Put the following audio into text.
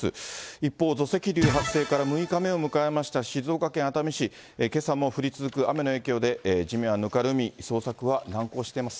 一方、土石流発生から６日目を迎えました静岡県熱海市、けさも降り続く雨の影響で地面はぬかるみ、捜索は難航しています。